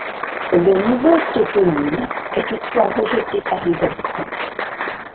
Le nouveau toponyme est toutefois rejeté par les habitants.